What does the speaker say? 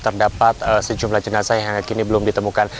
terdapat sejumlah jenazah yang kini belum ditemukan